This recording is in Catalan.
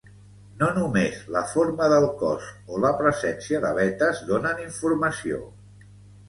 No només la forma del cos o la presència d'aletes donen informació